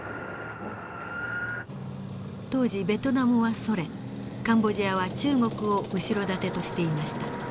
当時ベトナムはソ連カンボジアは中国を後ろ盾としていました。